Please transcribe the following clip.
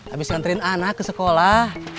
abis ngantriin anak ke sekolah